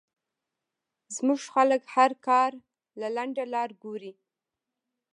زمونږ خلک هر کار له لنډه لار ګوري